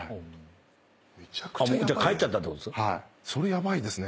はい。それヤバいですね。